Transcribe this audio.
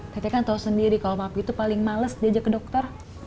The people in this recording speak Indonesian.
kita kan tahu sendiri kalau maaf itu paling males diajak ke dokter